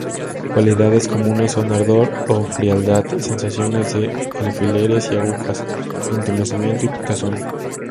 Cualidades comunes son ardor o frialdad, sensaciones de "alfileres y agujas", entumecimiento y picazón.